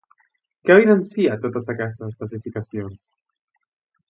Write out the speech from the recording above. Què evidencien totes aquestes especificacions?